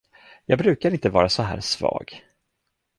Jag brukar inte vara så här svag.